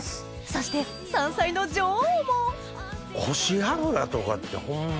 そして山菜の女王もコシアブラとかってホンマ